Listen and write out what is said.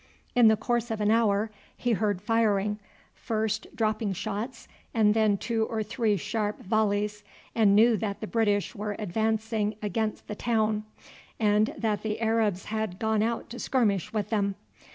In the course of an hour he heard firing, first dropping shots and then two or three sharp volleys, and knew that the British were advancing against the town, and that the Arabs had gone out to skirmish with them.